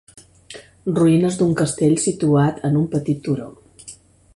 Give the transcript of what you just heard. Ruïnes d'un castell situat en un petit turó.